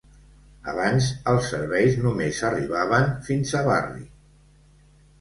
Abans els serveis només arribaven fins a Barry.